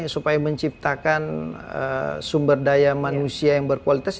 supaya menciptakan sumber daya manusia yang berkualitas